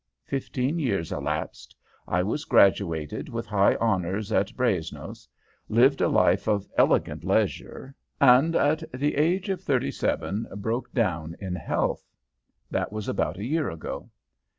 Fifteen years elapsed. I was graduated with high honors at Brazenose, lived a life of elegant leisure, and at the age of thirty seven broke down in health. That was about a year ago.